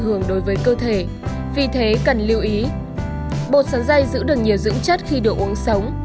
hưởng đối với cơ thể vì thế cần lưu ý bột sắn dây giữ được nhiều dưỡng chất khi đồ uống sống